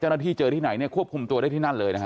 เจ้าหน้าที่เจอที่ไหนเนี่ยควบคุมตัวได้ที่นั่นเลยนะครับ